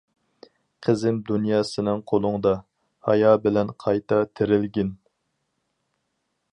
قىزىم دۇنيا سېنىڭ قولۇڭدا، ھايا بىلەن قايتا تىرىلگىن.